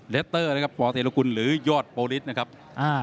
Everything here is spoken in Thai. นะครับหรือยอดโปรลิสนะครับอ่า